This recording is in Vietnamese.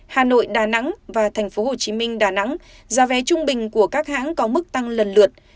hà nội đà nẵng và tp hcm đà nẵng giá vé trung bình của các hãng có mức tăng lần lượt